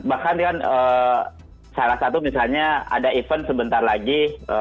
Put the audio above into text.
bahkan kan salah satu misalnya ada event sebentar lagi